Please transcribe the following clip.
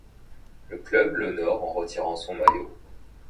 Le club l'honore en retirant son maillot.